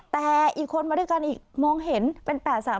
แต่อีกคนมาด้วยกันอีกมองเห็นเป็น๘๓